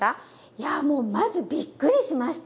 いやもうまずびっくりしました。